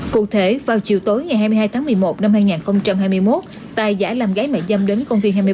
cụ thể vào chiều tối ngày hai mươi hai tháng một mươi một năm hai nghìn hai mươi một tài giải làm gái mẹ dâm đến công viên hai mươi ba tháng chín quận một